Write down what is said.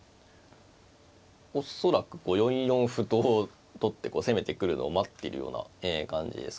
恐らく４四歩と取って攻めてくるのを待っているような感じですかね。